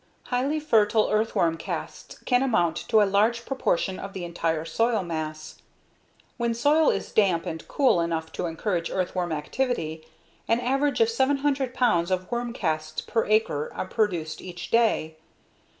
Highly fertile earthworm casts can amount to a large proportion of the entire soil mass. When soil is damp and cool enough to encourage earthworm activity, an average of 700 pounds of worm casts per acre are produced each day.